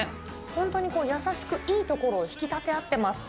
本当に優しくいいところを引き立て合っています。